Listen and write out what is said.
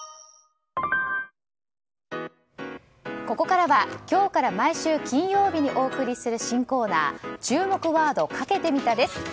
ここからは今日から毎週金曜日にお送りする新コーナー注目ワード、かけてみたです。